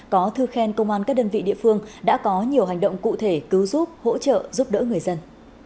có thư khen công an các đơn vị địa phương đã có nhiều hành động cụ thể cứu giúp hỗ trợ giúp đỡ người dân